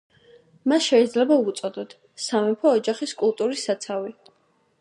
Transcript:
მას შეიძლება ვუწოდოთ სამეფო ოჯახის კულტურის საცავი.